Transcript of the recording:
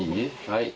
はい。